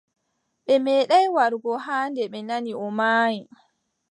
Ɓe meeɗaay warugo ɗo haa nde ɓe nani o maayi.